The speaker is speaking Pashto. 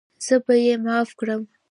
زه به یې معاف کړم.